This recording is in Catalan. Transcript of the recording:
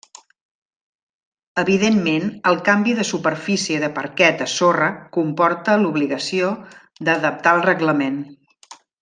Evidentment el canvi de superfície de parquet a sorra comporta l’obligació d’adaptar el reglament.